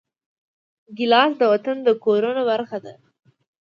ګیلاس د وطن د کورونو برخه ده.